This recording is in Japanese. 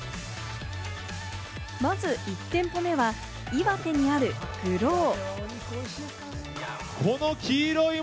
まず１店舗目は岩手にあるＧＲＯＷ。